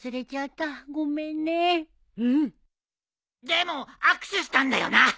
でも握手したんだよな？